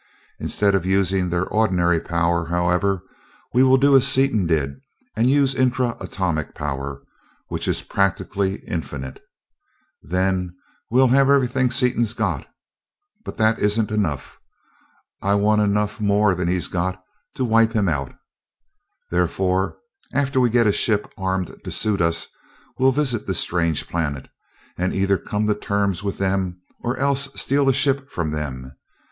Instead of using their ordinary power, however, we will do as Seaton did, and use intra atomic power, which is practically infinite. Then we'll have everything Seaton's got, but that isn't enough. I want enough more than he's got to wipe him out. Therefore, after we get a ship armed to suit us, we'll visit this strange planet and either come to terms with them or else steal a ship from them.